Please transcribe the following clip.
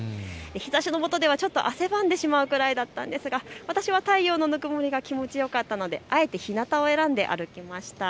日ざしの下ではちょっと汗ばんでしまうぐらいだったんですが、私は太陽のぬくもりが気持ちよかったのであえてひなたを選んで歩きました。